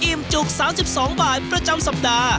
จุก๓๒บาทประจำสัปดาห์